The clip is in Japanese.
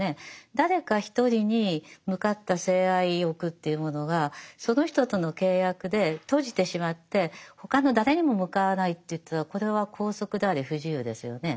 誰か１人に向かった性愛欲というものがその人との契約で閉じてしまって他の誰にも向かわないといったらこれは拘束であり不自由ですよね。